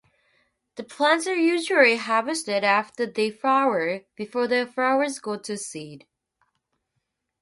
The plants are usually harvested after they flower, before the flowers go to seed.